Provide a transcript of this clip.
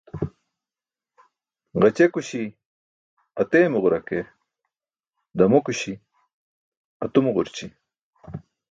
Gaćekuśi ateemġura ke, ḍamokuśi atomġurći.